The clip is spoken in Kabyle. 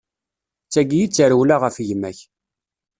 D tagi i tarewla ɣef gma-k.